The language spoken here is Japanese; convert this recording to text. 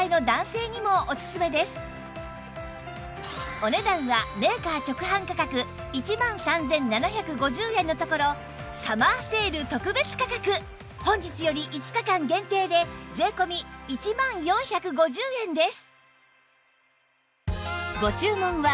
お値段はメーカー直販価格１万３７５０円のところサマーセール特別価格本日より５日間限定で税込１万４５０円です